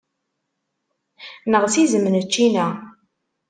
Neɣs izem n ččina.